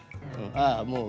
あっもうね。